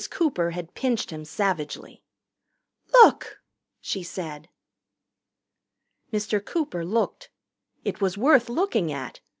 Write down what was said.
Cooper had pinched him savagely. "Look!" she said. Mr. Cooper looked. It was worth looking at.